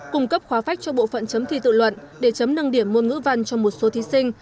cung cấp khóa phách cho bộ phận chấm thi tự luận để chấm nâng điểm môn ngữ văn cho một số thí sinh